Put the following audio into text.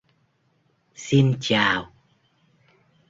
xin chào